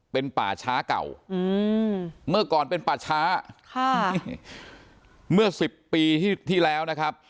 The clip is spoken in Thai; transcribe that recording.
เป็นป่าช้าเก่าอืมเมื่อก่อนเป็นป่าช้าค่ะเมื่อสิบปีที่แล้วนะครับ